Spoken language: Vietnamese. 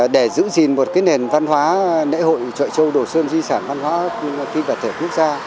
để giữ gìn một cái nền văn hóa lễ hội chợ châu đổ sơn di sản văn hóa phi vật thể quốc gia